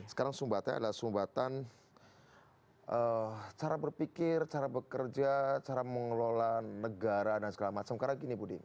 sekarang sumbatan adalah sumbatan cara berpikir cara bekerja cara mengelola negara dan segala macam karena gini budi